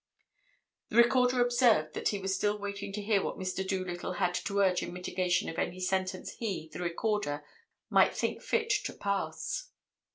"The Recorder observed that he was still waiting to hear what Mr. Doolittle had to urge in mitigation of any sentence he, the Recorder, might think fit to pass.